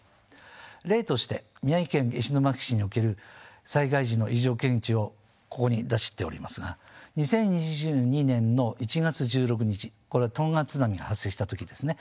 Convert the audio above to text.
例として宮城県石巻市における災害時の異常検知をここに出しておりますが２０２２年の１月１６日これはトンガ津波が発生した時ですね。